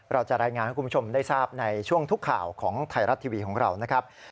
เราจะรายงานให้คุณผู้ชมได้ทราบในช่วงทุกข่าวของไทยรัฐทีวีของเรานะครับ